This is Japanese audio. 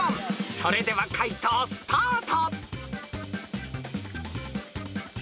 ［それでは解答スタート］